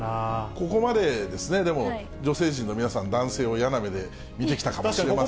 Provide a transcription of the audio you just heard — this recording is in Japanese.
ここまでですね、でも、女性陣の皆さん、男性を嫌な目で見てきたかもしれませんが。